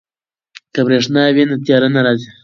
که بریښنا وي نو تیاره نه راځي.